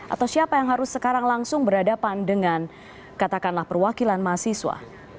atau siapa yang harus sekarang langsung berhadapan dengan katakanlah perwakilan mahasiswa